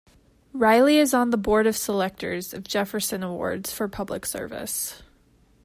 Riley is on the Board of Selectors of Jefferson Awards for Public Service.